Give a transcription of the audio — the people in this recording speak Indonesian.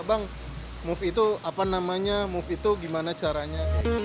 bang move itu apa namanya move itu gimana caranya